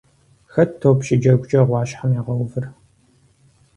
Хэт топ щыджэгукӀэ гъуащхьэм ягъэувыр?